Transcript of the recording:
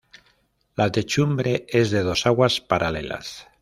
La techumbre es de dos aguas paralelas.